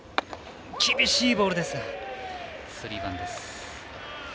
厳しいボールですがスリーワンです。